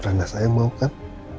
karna saya yang mau kan